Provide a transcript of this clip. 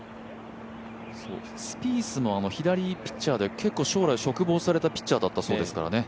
スピースも左ピッチャーで、将来を嘱望されたピッチャーだったそうですからね。